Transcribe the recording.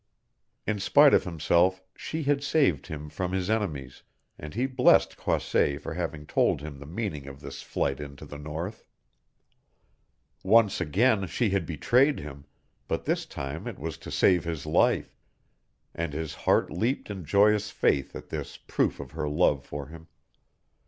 In spite of himself she had saved him from his enemies, and he blessed Croisset for having told him the meaning of this flight into the North. Once again she had betrayed him, but this time it was to save his life, and his heart leaped in joyous faith at this proof of her love for him.